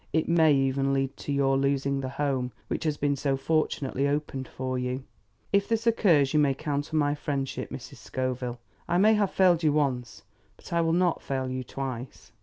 It may even lead to your losing the home which has been so fortunately opened for you. If this occurs, you may count on my friendship, Mrs. Scoville. I may have failed you once, but I will not fail you twice."